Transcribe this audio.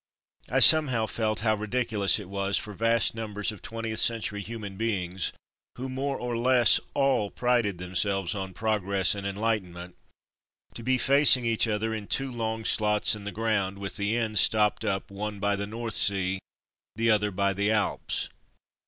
I somehow felt how ridiculous it was for vast numbers of twentieth century human beings, who more or less all prided themselves on progress and en lightenment, to be facing each other in two long slots in the ground, with the ends stopped up, one by the North Sea, the other by the Alps.